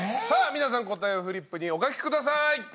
さあ皆さん答えをフリップにお書きください。